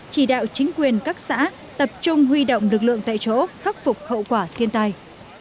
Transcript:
chỉ đạo chính quyền các xã tập trung huy động lực lượng tại chỗ khắc phục hậu quả thiên tai